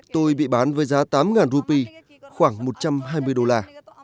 tôi bị bán với giá tám rupee khoảng một trăm hai mươi đô la